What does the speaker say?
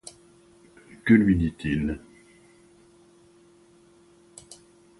Que lui dit-il